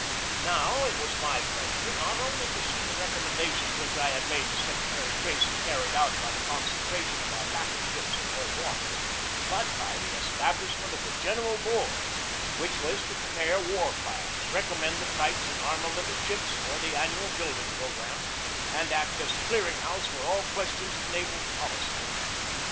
Now it was my pleasure not only to see the recommenda tions which I had made to Secretary Tracy carried out by the concentration of our battle ships in home waters, but by the establishment of the General Board, which was to prepare war plans, recommend the types and armament of ships for the annual building programme, and act as a clearing house for all questions of naval policy.